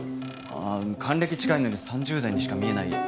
還暦近いのに３０代にしか見えない化け物。